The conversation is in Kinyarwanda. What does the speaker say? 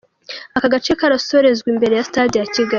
Aka gace karasorezwa imbere ya Stade ya Kigali.